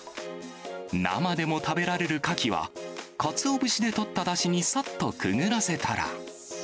生でも食べられるカキは、かつお節で取っただしにさっとくぐらせたら。